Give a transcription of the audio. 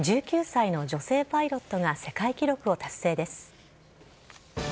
１９歳の女性パイロットが世界記録を達成です。